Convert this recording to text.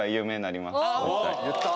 お言った！